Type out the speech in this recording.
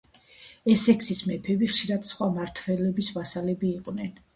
ესექსის მეფეები ხშირად სხვა მმართველების ვასალები იყვნენ.